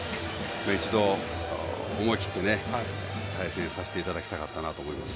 一度、思い切って対戦させていただきたかったと思います。